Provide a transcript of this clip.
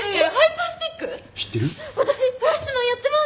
私『フラッシュマン』やってます。